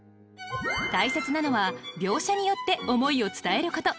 大切なのは描写によって思いを伝えること。